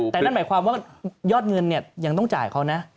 แต่นั่นหมายความว่ายอดเงินเนี่ยยังต้องจ่ายเขานะ